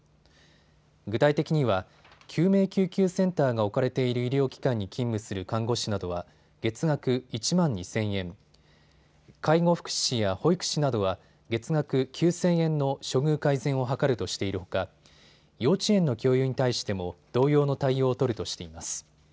具体的には救命救急センターが置かれている医療機関に勤務する看護師などは月額１万２０００円、介護福祉士や保育士などは月額９０００円の処遇改善を図るとしているほか幼稚園の教諭に対しても同様の対応を取るとしています。